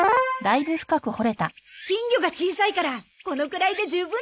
金魚が小さいからこのくらいで十分だよね。